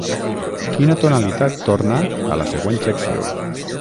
Quina tonalitat torna a la següent secció?